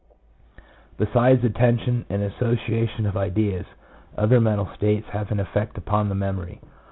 MEMORY. 69 Besides attention and association of ideas, other mental states have an effect upon the memory.